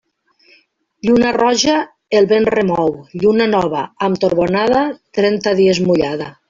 Lluna roja, el vent remou Lluna nova amb torbonada, trenta dies mullada.